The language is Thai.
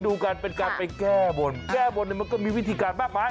ดูกันเป็นการไปแก้บนแก้บนเนี่ยมันก็มีวิธีการมากมาย